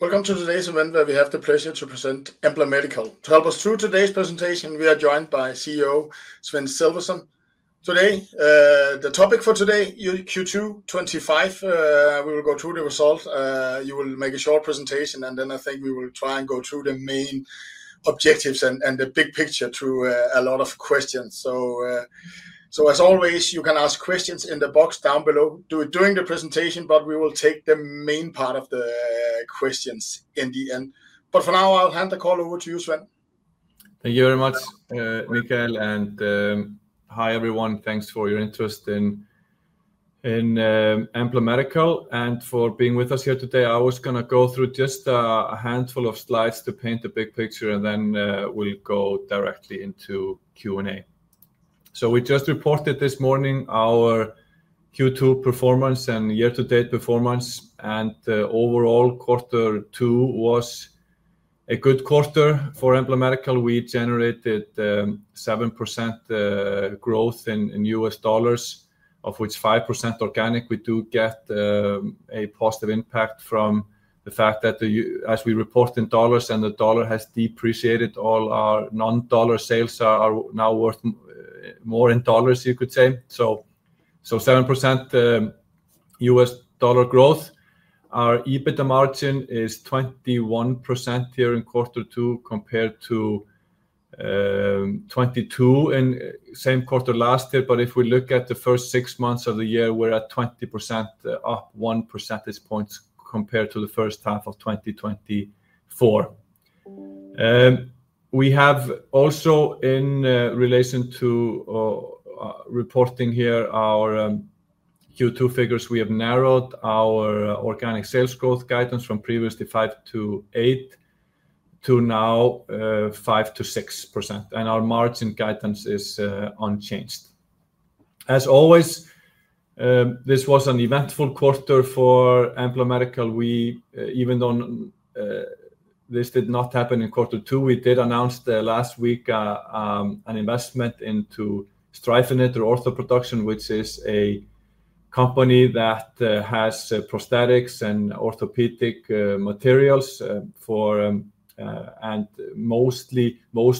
Welcome to today's event where we have the pleasure to present Embla Medical. To help us through today's presentation we are joined by CEO Sveinn Sölvason today. The topic for today Q2 2025 we will go through the result. You will make a short presentation and then I think we will try and go through the main objectives and the big picture to a lot of questions. As always you can ask questions in the box down below. Do it during the presentation, but we will take the main part of the questions in the end. For now I'll hand the call over to you Sveinn. Thank you very much Mikael and hi everyone. Thanks for your interest in Embla Medical and for being with us here today. I was going to go through just a handful of slides to paint the big picture and then we'll go directly into Q&A. We just reported this morning our Q2 performance and year to date performance and overall quarter two was a good quarter for Embla Medical. We generated 7% growth in U.S. dollars of which 5% organic. We do get a positive impact from the fact that as we report in dollars and the dollar has depreciated all our non-dollar sales are now worth more in dollars. You could say 7% U.S. dollar growth. Our EBITDA margin is 21% here in quarter two compared to 22% in same quarter last year. If we look at the first six months of the year we're at 20%, up 1 percentage point compared to the first half of 2024. We have also in relation to reporting here our Q2 figures narrowed our organic sales growth guidance from previously 5%-8% to now 5%-6% and our margin guidance is unchanged. As always this was an eventful quarter for Embla Medical. Even though this did not happen in quarter two, we did announce last week an investment into Streifeneder ortho.production which is a company that has prosthetics and orthopedic materials and most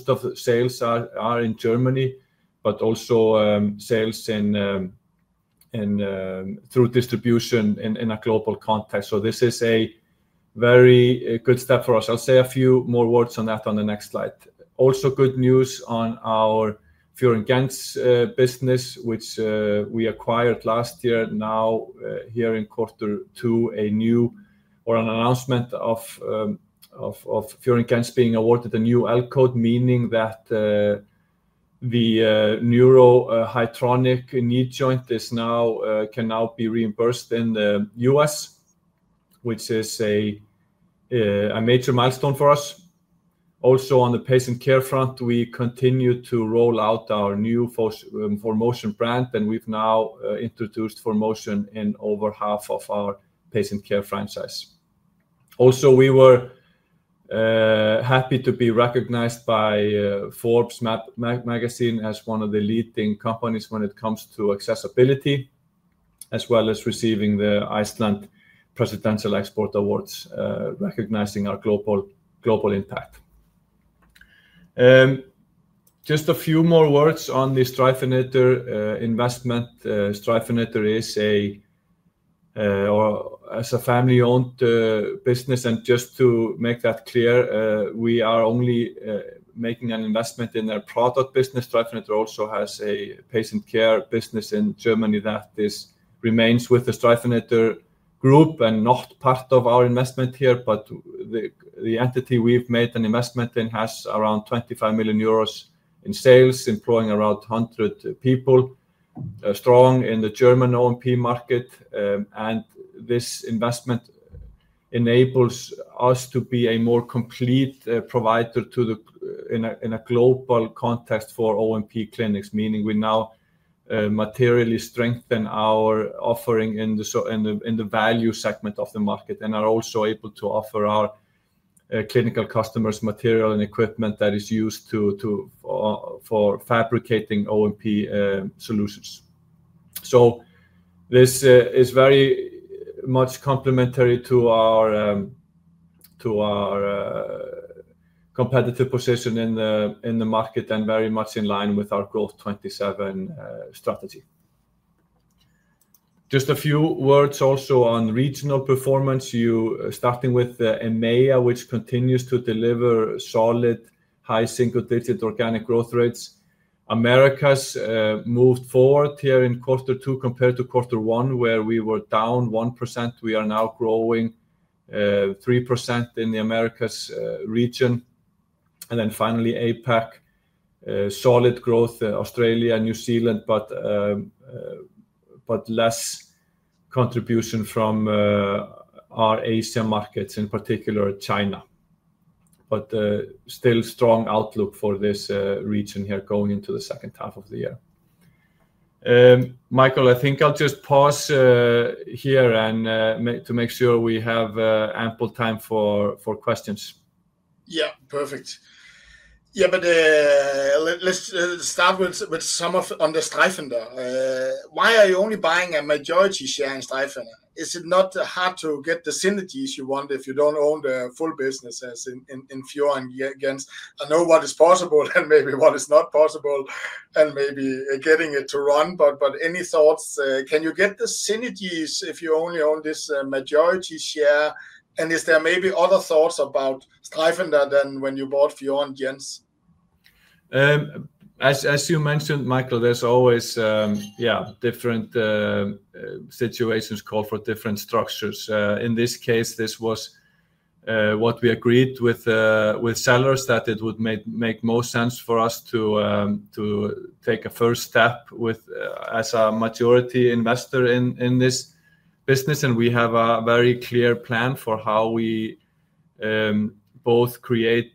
of the sales are in Germany but also sales in and through distribution in a global context. This is a very good step for us. I'll say a few more words on that on the next slide. Also good news on our FIOR & GENTZ business which we acquired last year. Here in quarter two an announcement of FIOR & GENTZ being awarded a new L code meaning that the neurohydraulic knee joint can now be reimbursed in the U.S. which is a major milestone for us. Also on the Patient Care front we continue to roll out our new ForMotion brand and we've now introduced ForMotion in over half of our Patient Care franchise. We were happy to be recognized by Forbes magazine as one of the leading companies when it comes to accessibility as well as receiving the Iceland Presidential Export Awards recognizing our global impact. Just a few more words on the Streifeneder investment. Streifeneder is a family owned business and just to make that clear we are only making an investment in their product business. Streifeneder also has a Patient Care business in Germany that remains with the Streifeneder Group and not part of our investment here. The entity we've made an investment in has around 25 million euros in sales, employing around 100 people, strong in the German OMP market. This investment enables us to be a more complete provider in a global context for OMP clinics, meaning we now materially strengthen our offering in the value segment of the market and are also able to offer our clinical customers material and equipment that is used for fabricating OMP solutions. This is very much complementary to our competitive position in the market and very much in line with our Growth'27 strategy. Just a few words also on regional performance, starting with EMEA, which continues to deliver solid high single-digit organic growth rates. Americas moved forward here in quarter two compared to quarter one, where we were down 1%. We are now growing 3% in the Americas region. Finally, APAC showed solid growth in Australia and New Zealand but less contribution from our Asian markets, in particular China. Still, there is a strong outlook for this region going into the second half of the year. Michael, I think I'll just pause here to make sure we have ample time for questions. Yeah, perfect. Let's start with some of on the Streifeneder. Why are you only buying a majority share in Streifeneder? Is it not hard to get the synergies you want if you don't own the full FIOR & GENTZ? i know what is possible and maybe what is not possible and maybe getting it to run. Any thoughts? Can you get the synergies if you only own this majority share? Is there maybe other thoughts about Streifeneder than when you bought FIOR & GENTZ? As you mentioned, Michael, different situations call for different structures. In this case, this was what we agreed with the sellers, that it would make most sense for us to take a first step as a majority investor in this business. We have a very clear plan for how we both create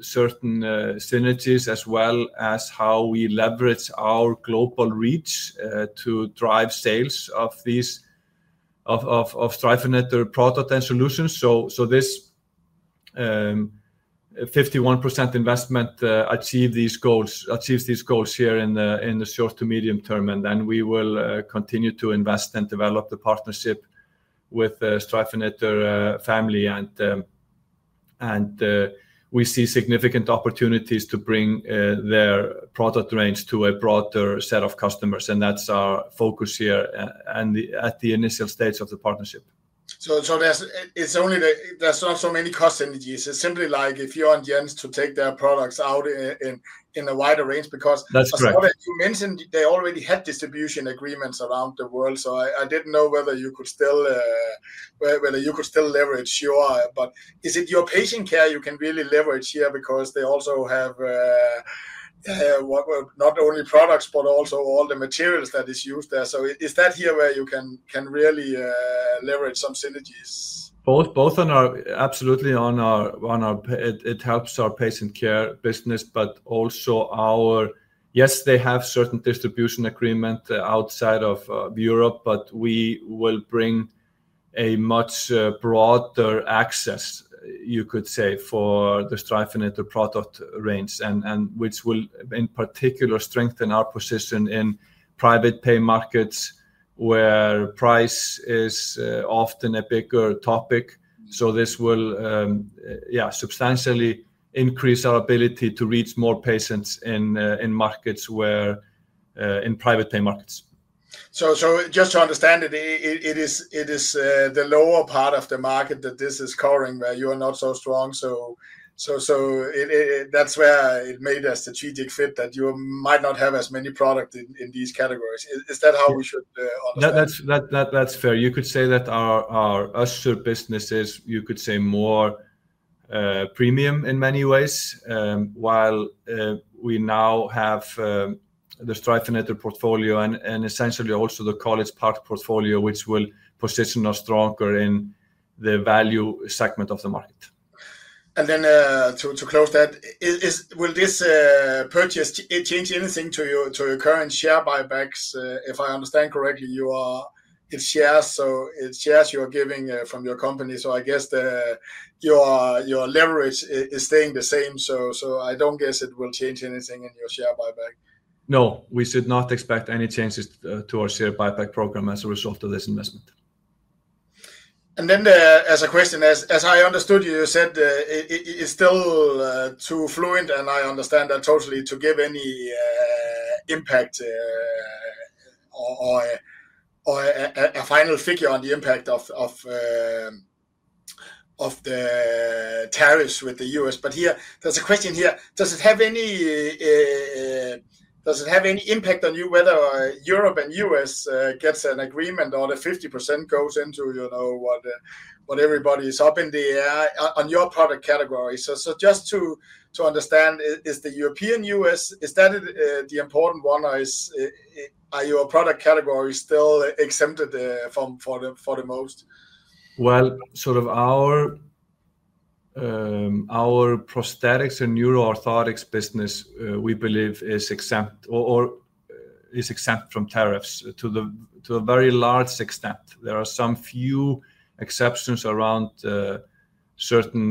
certain synergies, as well as how we leverage our global reach to drive sales of these Streifeneder ortho.production products and solutions. This 51% investment achieves these goals here in the short to medium term. We will continue to invest and develop the partnership with the Streifeneder family, and we see significant opportunities to bring their product range to a broader set of customers. That's our focus here at the initial stage of the partnership. There are not so many cost synergies. It's simply like if FIOR & GENTZ to take their products out in a wider range. That's correct. You mentioned they already had distribution agreements around the world, so I didn't know whether you could leverage. Sure. Is it your Patient Care you can really leverage here? They also have not only products but also all the materials that is used there. Is that here where you can really leverage some synergies? Absolutely. It helps our Patient Care business, but also our, yes, they have certain distribution agreement outside of Europe, but we will bring a much broader access, you could say, for the Streifeneder ortho.production product range, which will in particular strengthen our position in private pay markets where price is often a bigger topic. This will substantially increase our ability to reach more patients in markets where, in private pay markets. It is the lower part of the market that this is covering where you are not so strong. That's where it made a strategic fit that you might not have as many products in these categories. Is that how we should. That's fair. You could say that our Össur businesses, you could say, are more premium in many ways. While we now have the Streifeneder ortho.production portfolio and essentially also the College Park portfolio, which will position us stronger in the value segment of the market. To close that, will this purchase change anything to your current share buybacks? If I understand correctly, it's shares. It's shares you are giving from your company, so I guess your leverage is staying the same. I don't guess it will change anything in your share buyback. No, we should not expect any changes to our share buyback program as a result of this investment. As a question, as I understood, you said it is still too fluent and I understand that totally to give any impact or a final figure on the impact of the tariffs with the U.S. There is a question here. Does it have any impact on you, whether Europe and U.S. get an agreement or the 50% goes into, you know, what everybody is up in the air on your product category? Just to understand, is the Europe and U.S., is that the important one? Are your product categories still exempted from? For the most? Our Prosthetics & Neuro Orthotics business we believe is exempt of or is exempt from tariffs to a very large extent. There are some few exceptions around certain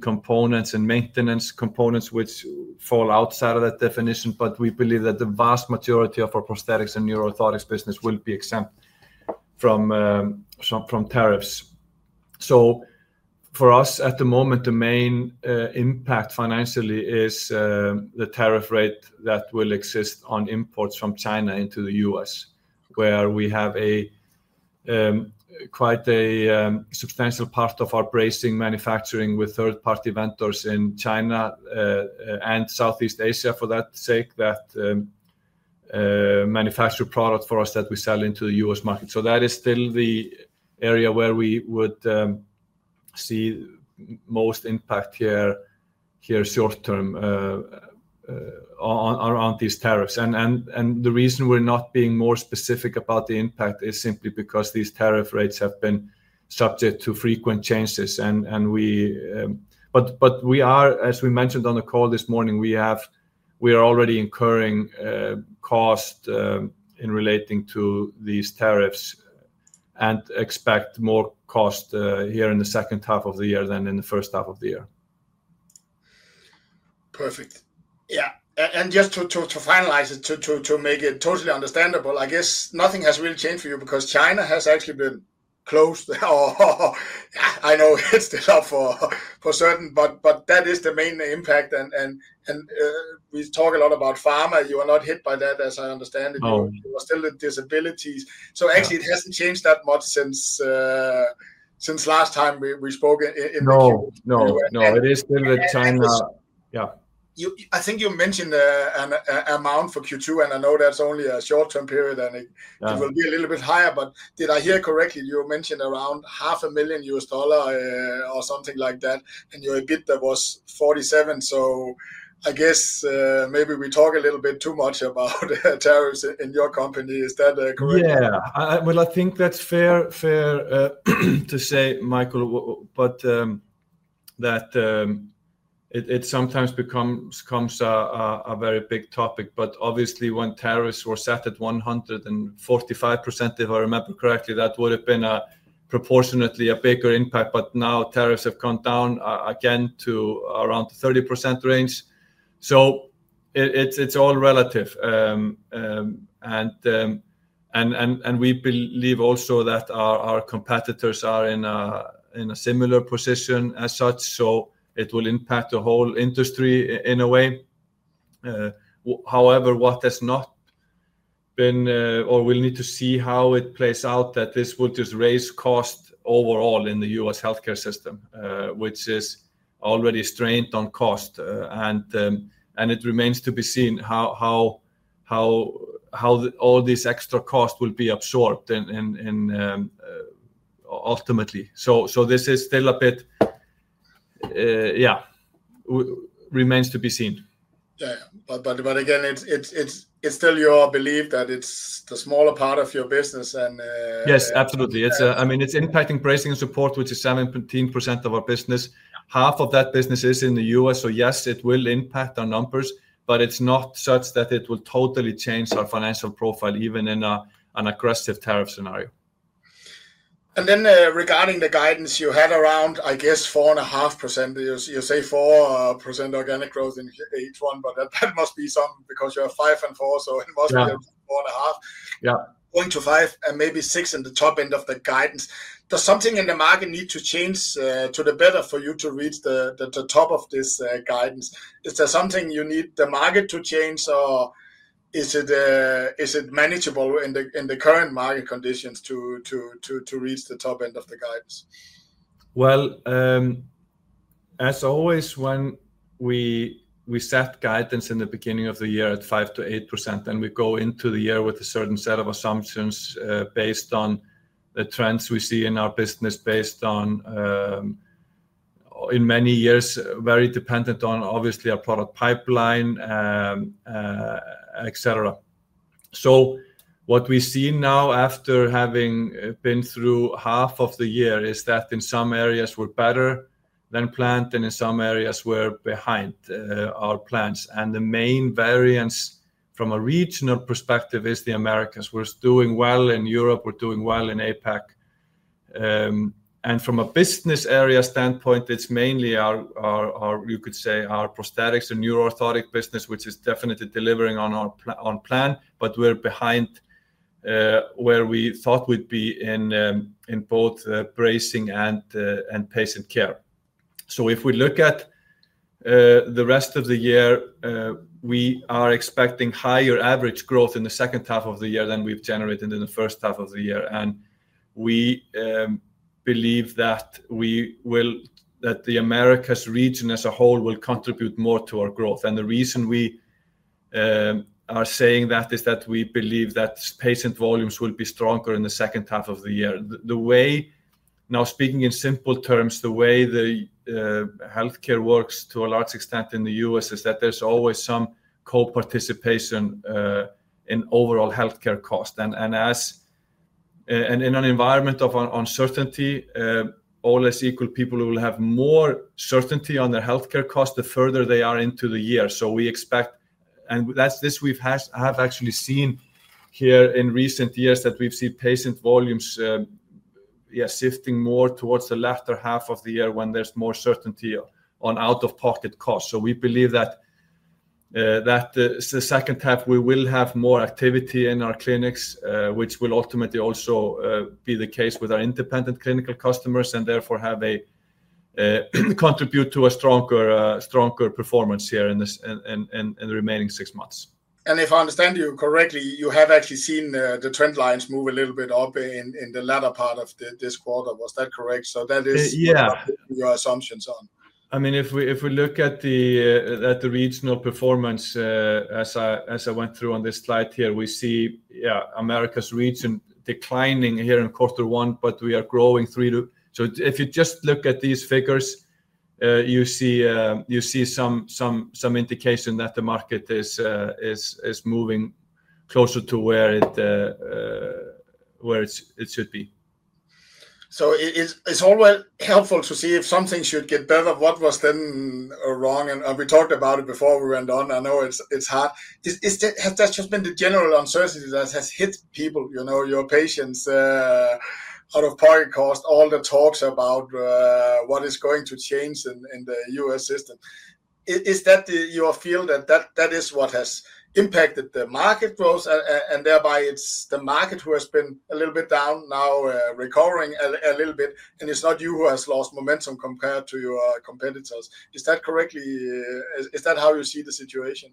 components and maintenance components which fall outside of that definition. We believe that the vast majority of our Prosthetics & Neuro Orthotics business will be exempt from tariffs. For us at the moment, the main impact financially is the tariff rate that will exist on imports from China into the U.S. where we have quite a substantial part of our bracing manufacturing with third party vendors in China and Southeast Asia for that sake, that manufacture products for us that we sell into the U.S. market. That is still the area where we would see most impact here short term around these tariffs. The reason we're not being more specific about the impact is simply because these tariff rates have been subject to frequent changes. As we mentioned on the call this morning, we are already incurring cost relating to these tariffs and expect more cost here in the second half of the year than in the first half of the year. Perfect. Yeah. Just to finalize it, to make it totally understandable, I guess nothing has really changed for you because China has actually been closed. I know it's the top for certain, but that is the main impact. We talk a lot about pharma. You are not hit by that as I understand it still with disabilities. Actually it hasn't changed that much since last time we spoke. No, no, it is still China. Yeah. I think you mentioned an amount for Q2 and I know that's only a short term period and it will be a little bit higher. Did I hear correctly you mentioned around $500, 000 or something like that and your bid that was 47? I guess maybe we talk a little bit too much about tariffs in your company, is that correct? I think that's fair to say, Michael, that it sometimes becomes a very big topic. Obviously, when tariffs were set at 145%, if I remember correctly, that would have been proportionately a bigger impact. Now tariffs have come down again to around the 30% range, so it's all relative. We believe also that our competitors are in a similar position as such, so it will impact the whole industry in a way. However, what has not been or we'll need to see how it plays out is that this would just raise cost overall in the U.S. healthcare system, which is already strained on cost, and it remains to be seen how all this extra cost will be absorbed ultimately. This is still a bit, yeah, remains to be seen. Yeah, it's still your belief that it's the smaller part of your business. Yes, absolutely, it's, I mean it's impacting Bracing & Supports, which is 17% of our business. Half of that business is in the U.S., so yes, it will impact our numbers, but it's not such that it will totally change our financial profile even in an aggressive tariff scenario. Regarding the guidance, you had around, I guess, 4.5%, you say 4% organic growth in each one, but that must be some because you're five and four. So it must be 4.5%. Yeah, going to five and maybe six in the top end of the guidance. Does something in the market need to change to the better for you to reach the top of this guidance? Is there something you need the market to change, or is it manageable in the current market conditions to reach the top end of the guidance? As always, when we set guidance in the beginning of the year at 5%-8%, we go into the year with a certain set of assumptions based on the trends we see in our business, based on, in many years, very dependent on obviously our product pipeline, etc. What we see now after having been through half of the year is that in some areas we're better than planning, in some areas we're behind our plans. The main variance from a regional perspective is the Americas. We're doing well in Europe, we're doing well in APAC, and from a business area standpoint, it's mainly, you could say, our Prosthetics & Neuro Orthotics business which is definitely delivering on planning, but we're behind where we thought we'd be in both Bracing and Patient Care. If we look at the rest of the year, we are expecting higher average growth in the second half of the year than we've generated in the first half of the year. We believe that the Americas region as a whole will contribute more to our growth. The reason we are saying that is that we believe that patient volumes will be stronger in the second half of the year. Speaking in simple terms, the way healthcare works to a large extent in the U.S. is that there's always some co participation in overall healthcare cost, and in an environment of uncertainty, all else equal, people will have more certainty on their healthcare cost the further they are into the year. We expect, and we've actually seen here in recent years, that we've seen patient volumes shifting more towards the latter half of the year when there's more certainty on out-of-pocket costs. We believe that the second half we will have more activity in our clinics, which will ultimately also be the case with our independent clinical customers and therefore contribute to a stronger performance here in the remaining six months. If I understand you correctly, you have actually seen the trend lines move a little bit up in the latter part of this quarter. Was that correct? That is your assumptions on. If we look at the regional performance as I went through on this slide here, we see America's region declining here in quarter one, but we are growing three to. If you just look at these figures, you see some indication that the market is moving closer to where it should be. It is always helpful to see if something should get better. What was then wrong, and we talked about it before we went on, I know it's hard. That's just been the general uncertainty that has hit people. You know, your patients' out-of-pocket cost. All the talks about what is going to change in the U.S. system, is that your field, and that is what has impacted the market growth, and thereby it's the market that has been a little bit down, now recovering a little bit. It's not you who has lost momentum compared to your competitors. Is that correct? Is that how you see the situation?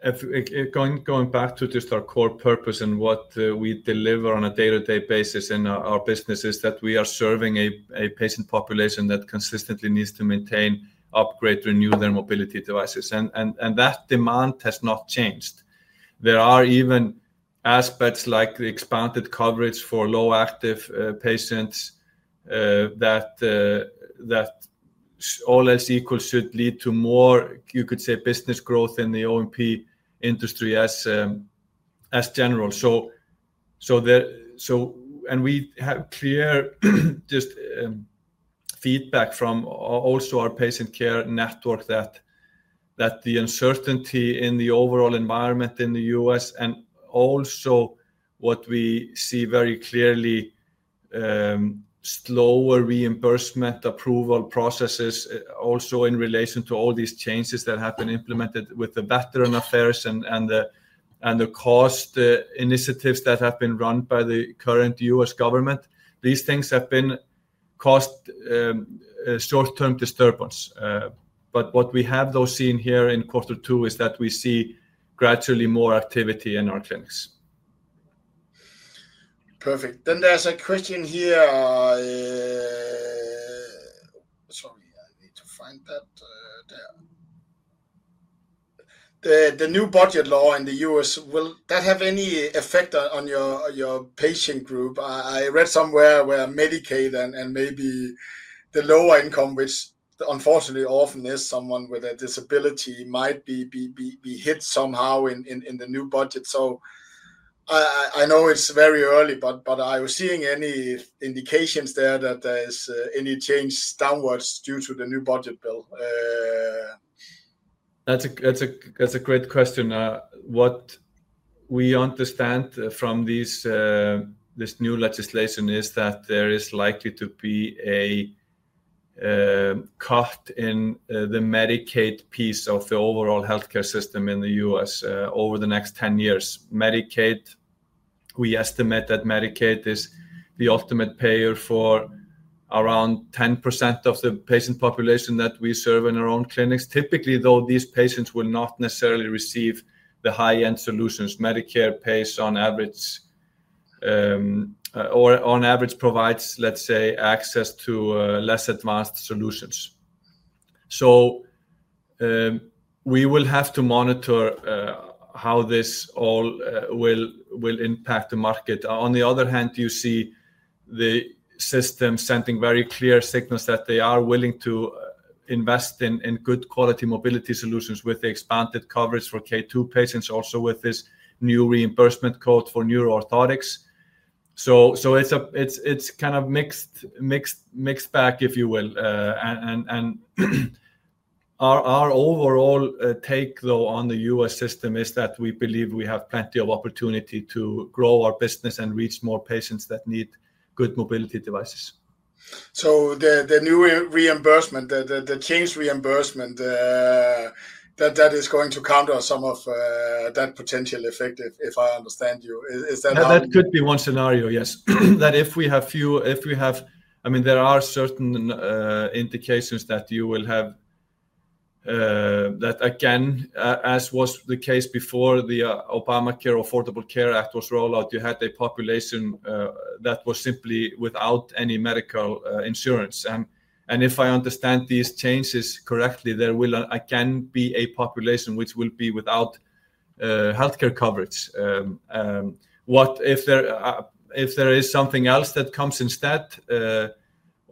Going back to just our core purpose and what we deliver on a day-to-day basis in our business is that we are serving a patient population that consistently needs to maintain, upgrade, renew their mobility devices, and that demand has not changed. There are even aspects like the expanded coverage for low active patients that, all else equal, should lead to more, you could say, business growth in the O&P industry as general, and we have clear feedback from also our Patient Care network that the uncertainty in the overall environment in the U.S. and also what we see very clearly, slower reimbursement approval processes, also in relation to all these changes that have been implemented with the Veteran Affairs and the cost initiatives that have been run by the current U.S. government. These things have caused short-term disturbance. What we have seen here in quarter two is that we see gradually more activity in our clinics. Perfect. There's a question here. Sorry, I need to find that. The new budget law in the U.S., will that have any effect on your patient group? I read somewhere where Medicaid and maybe the lower income, which unfortunately often is someone with a disability, might be hit somehow in the new budget. I know it's very early, but I was seeing any indications there that there is any change downwards due to the new budget bill. That's a great question. This new legislation is that there is likely to be a cost in the Medicaid piece of the overall healthcare system in the U.S. over the next 10 years. Medicaid. We estimate that Medicaid is the ultimate payer for around 10% of the patient population that we serve in our own clinics. Typically though, these patients will not necessarily receive the high end solutions. Medicare pays on average or on average provides, let's say, access to less advanced solutions. We will have to monitor how this all will impact the market. On the other hand, you see the system sending very clear signals that they are willing to invest in good quality mobility solutions with the expanded coverage for K2 patients. Also with this new reimbursement code for neuro orthotics. It's kind of mixed. Mixed bag if you will. Our overall take though on the U.S. system is that we believe we have plenty of opportunity to grow our business and reach more patients that need good mobility devices. The new reimbursement, the change reimbursement that is going to counter some of that potential effect, if I understand you, is that That could be one scenario. Yes, if we have, I mean there are certain indications that you will have that again as was the case before the Obamacare Affordable Care Act was rolled out. You had a population that was simply without any medical insurance. If I understand these changes correctly, there will again be a population which will be without healthcare coverage. If there is something else that comes instead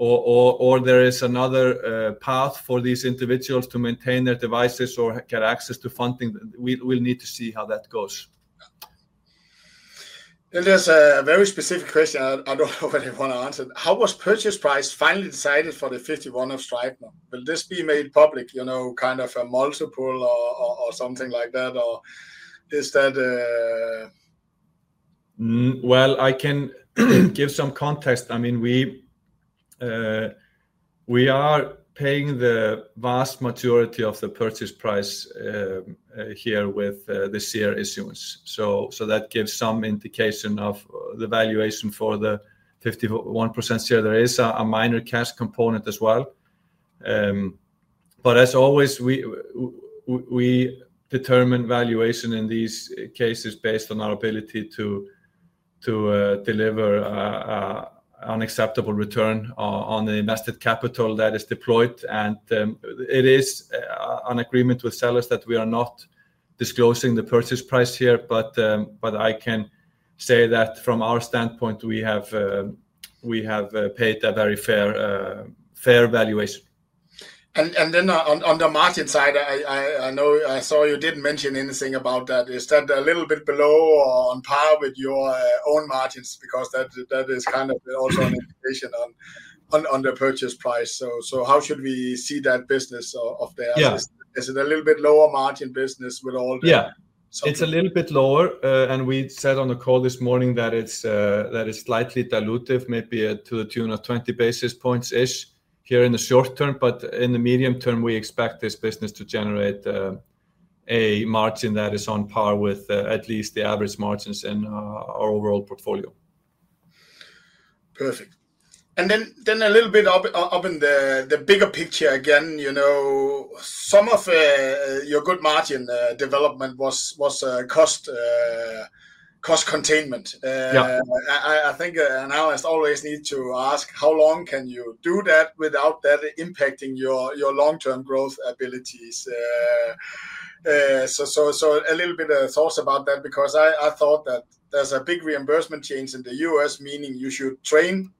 or there is another path for these individuals to maintain their devices or get access to funding, we will need to see how that goes. There's a very specific question. I don't know if you want to answer. How was purchase price finally decided for the 51% of Streifeneder? Will this be made public? You know, kind of a multiple or something like that? Or is that? I can give some context. We are paying the vast majority of the purchase price here with the share issuance, so that gives some indication of the valuation for the 51% share. There is a minor cash component as well. As always, we determine valuation in these cases based on our ability to deliver an acceptable return on the invested capital that is deployed. It is an agreement with sellers that we are not disclosing the purchase price here. I can say that from our standpoint we have paid a very fair valuation. On the margin side, I saw you didn't mention anything about that. Is that a little bit below or on par with your own margins? That is kind of also an indication on the purchase price. How should we see that business over there? Is it a little bit lower margin business with all? Yeah, it's a little bit lower and we said on the call this morning that it's slightly dilutive, maybe to the tune of 20 basis points-ish here in the short term. In the medium term, we expect this business to generate a margin that is on par with at least the average margins in our overall portfolio. Perfect. Then a little bit up in the bigger picture again, you know, some of your good margin development was cost containment. I think analysts always need to ask how long can you do that without that impacting your long term growth abilities? A little bit of thoughts about that because I thought that there's a big reimbursement change in the U.S., meaning you should train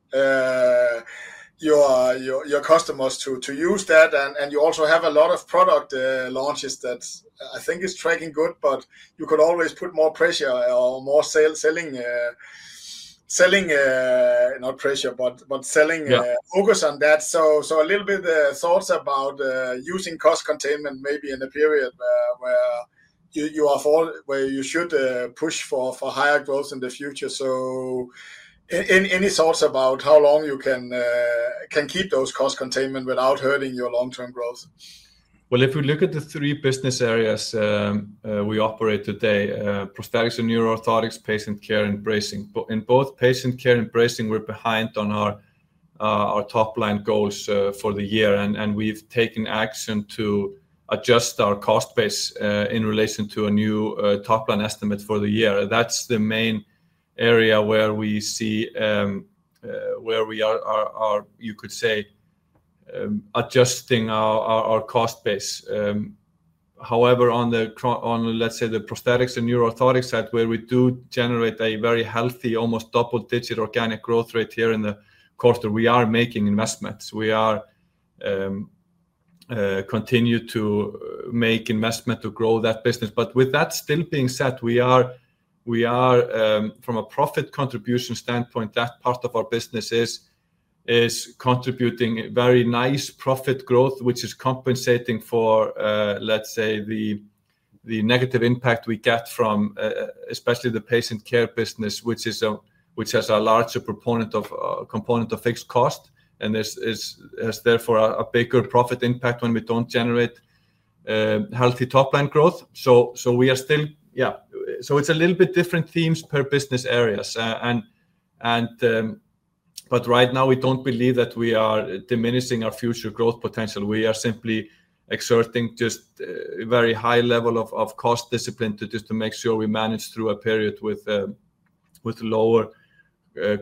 your customers to use that. You also have a lot of product launches that I think it's tracking good, but you could always put more selling, not pressure, but selling. Focus on that. A little bit the thoughts about using cost containment maybe in a period where you are where you should push for higher growth in the future. Any thoughts about how long you can keep those cost containment without hurting your long term growth? If we look at the three business areas we operate today, Prosthetics & Neuro Orthotics, Patient Care, and Bracing. In both Patient Care and Bracing, we're behind on our top line goals for the year, and we've taken action to adjust our cost base in relation to a new top line estimate for the year. That's the main area where we see where we are. You could say adjusting our cost base. However, on the Prosthetics & Neuro Orthotics side, where we do generate a very healthy, almost double-digit organic growth rate here in the quarter, we are making investments, we continue to make investment to grow that business. With that still being said, from a profit contribution standpoint, that part of our business is contributing very nice profit growth, which is compensating for the negative impact we get from especially the Patient Care business, which has a larger component of fixed cost. This has therefore a bigger profit impact when we don't generate healthy top line growth. It's a little bit different themes per business areas, but right now we don't believe that we are diminishing our future growth potential. We are simply exerting just a very high level of cost discipline to make sure we manage through a period with lower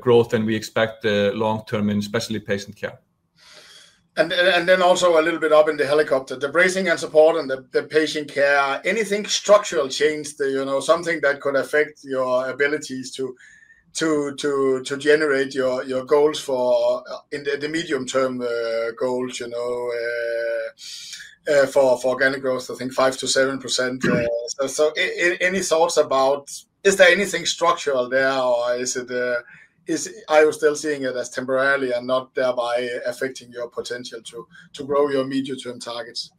growth than we expect long term, and especially Patient Care. A little bit up in the helicopter, the Bracing & Supports and the Patient Care, anything structural change, something that could affect your abilities to generate your goals for the medium term, goals for organic growth, I think 5%-7%. Any thoughts about is there anything structural there or are you still seeing it as temporarily and not thereby affecting your potential to grow your medium term targets?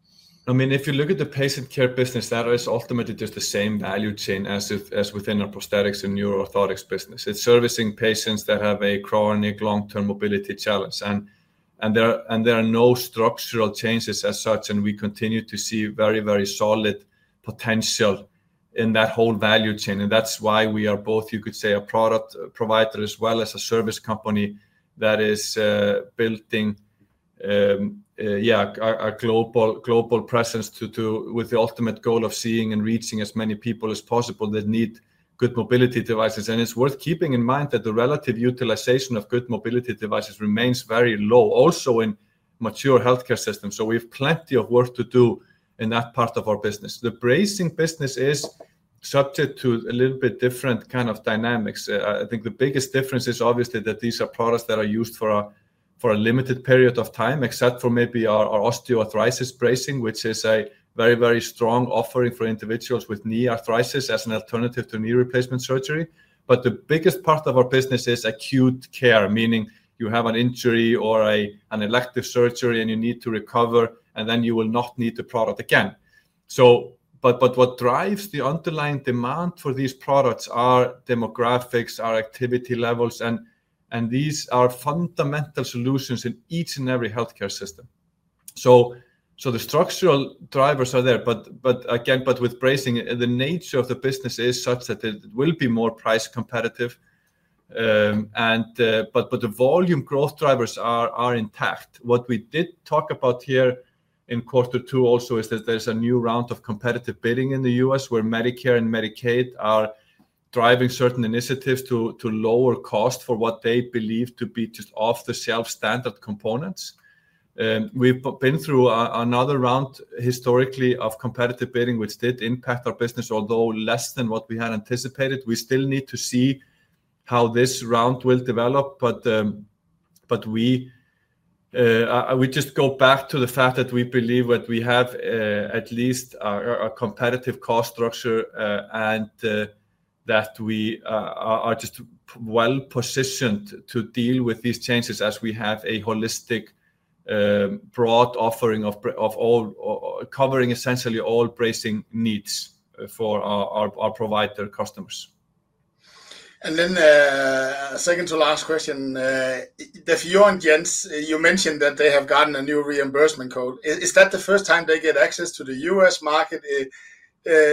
If you look at the Patient Care business, that is ultimately just the same value chain as within a Prosthetics & Neuro Orthotics business. It's servicing patients that have a chronic long-term mobility challenge, and there are no structural changes as such. We continue to see very, very solid potential in that whole value chain. That's why we are both, you could say, a product provider as well as a service company that is building a global presence with the ultimate goal of seeing and reaching as many people as possible that need good mobility devices. It's worth keeping in mind that the relative utilization of good mobility devices remains very low also in mature healthcare systems. We have plenty of work to do in that part of our business. The Bracing business is subject to a little bit different kind of dynamics. I think the biggest difference is obviously that these are products that are used for a limited period of time, except for maybe our osteoarthritis bracing, which is a very, very strong offering for individuals with knee arthritis as an alternative to knee replacement surgery. The biggest part of our business is acute care, meaning you have an injury or an elective surgery and you need to recover, and then you will not need the product again. What drives the underlying demand for these products are demographics, our activity levels, and these are fundamental solutions in each and every healthcare system. The structural drivers are there, but with Bracing, the nature of the business is such that it will be more price competitive, but the volume growth drivers are intact. What we did talk about here in quarter two also is that there's a new round of competitive bidding in the U.S. where Medicare and Medicaid are driving certain initiatives to lower cost for what they believe to be just off-the-shelf standard components. We've been through another round historically of competitive bidding, which did impact our business, although less than what we had anticipated. We still need to see how this round will develop. We just go back to the fact that we believe that we have at least a competitive cost structure and that we are just well positioned to deal with these changes as we have a holistic, broad offering covering essentially all pricing needs for our provider customers. Second to last question, the view on FIOR & GENTZ, you mentioned that they have gotten a new reimbursement code. Is that the first time they get access to the U.S. market?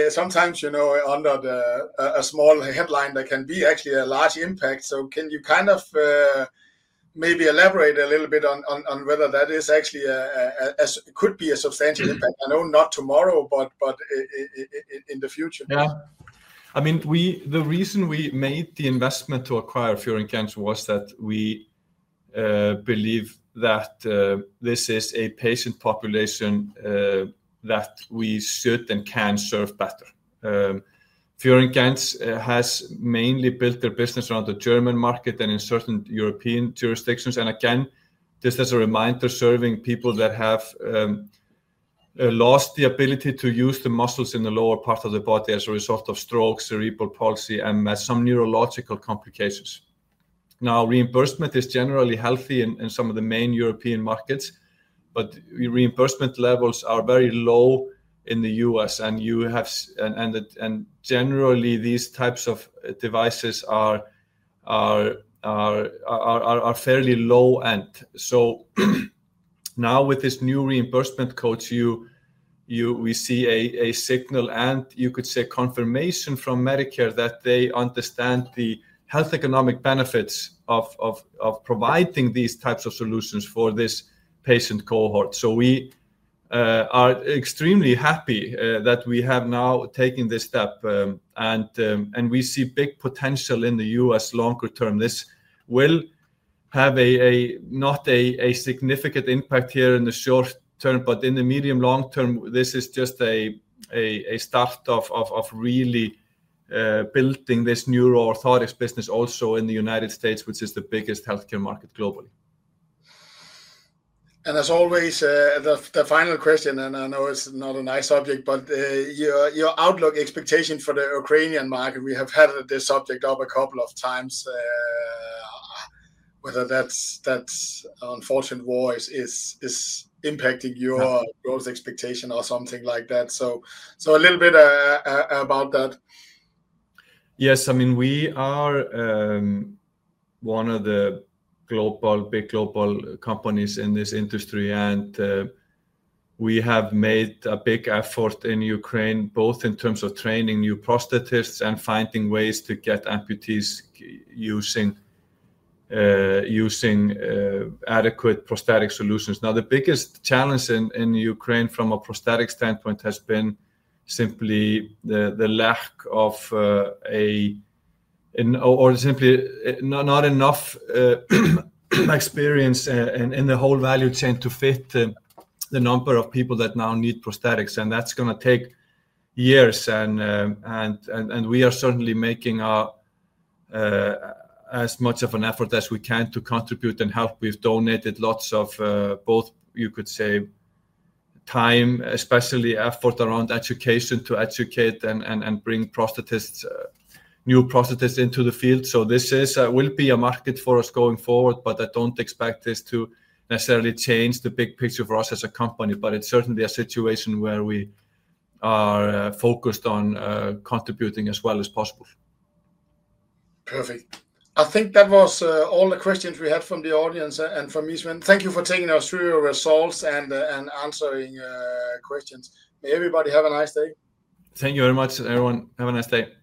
Sometimes, under a small headline, there can be actually a large impact. Can you maybe elaborate a little bit on whether that actually could be a substantial impact? I know not tomorrow, but in the future. Yeah, I mean the reason we made the investment to acquire FIOR & GENTZ was that we believe that this is a patient population that we should and can serve better. FIOR & GENTZ has mainly built their business around the German market and in certain European jurisdictions. Just as a reminder, serving people that have lost the ability to use the muscles in the lower part of the body as a result of stroke, cerebral palsy, and some neurological complications. Now reimbursement is generally healthy in some of the main European markets, but reimbursement levels are very low in the U.S. and generally these types of devices are fairly low end. Now with this new L-code we see a signal and you could say confirmation from Medicare that they understand the health economic benefits of providing these types of solutions for this patient cohort. We are extremely happy that we have now taken this step and we see big potential in the U.S. Longer term this will have not a significant impact here in the short term, but in the medium, long term, this is just a start of really building this Neuro Orthotics business also in the United States, which is the biggest healthcare market globally. As always, the final question, and I know it's not a nice subject, but your outlook, expectation for the Ukrainian market. We have had this subject up a couple of times. Whether that unfortunate voice is impacting your growth expectation or something like that. A little bit about that, yes. We are one of the big global companies in this industry, and we have made a big effort in Ukraine both in terms of training new prosthetists and finding ways to get amputees using adequate prosthetic solutions. The biggest challenge in Ukraine from a prosthetic standpoint has been simply the lack of, or simply not enough experience in the whole value chain to fit the number of people that now need prosthetics. That's going to take years. We are certainly making as much of an effort as we can to contribute and help. We've donated lots of both time, especially effort around education, to educate and bring new prosthetists into the field. This will be a market for us going forward. I don't expect this to necessarily change the big picture for us as a company, but it's certainly a situation where we are focused on contributing as well as possible. Perfect. I think that was all the questions we had from the audience and from Eastman. Thank you for taking us through your results and answering questions. May everybody have a nice day. Thank you very much, everyone. Have a nice day.